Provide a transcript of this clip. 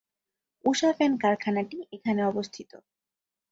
উষা fan কারখানাটি এখানে অবস্থিত।